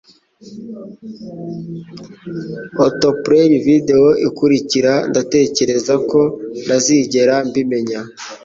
Autoplay video ikurikira Ndatekereza ko ntazigera mbimenya